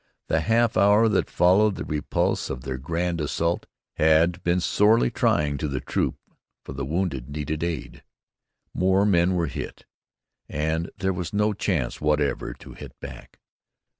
The half hour that followed the repulse of their grand assault had been sorely trying to the troop, for the wounded needed aid, more men were hit, and there was no chance whatever to hit back.